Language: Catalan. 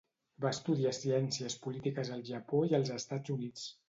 Va estudiar Ciències Polítiques al Japó i als Estats Units.